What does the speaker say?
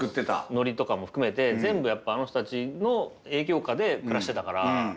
ノリとかも含めて全部やっぱあの人たちの影響下で暮らしてたから。